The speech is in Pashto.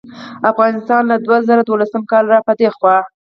افغانستان له دوه زره دولسم کال راپه دې خوا